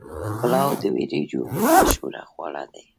پلاو د وریجو مشهور خواړه دي.